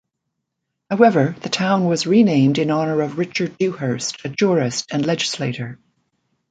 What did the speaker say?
However, the town was renamed in honor of Richard Dewhurst, a jurist and legislator.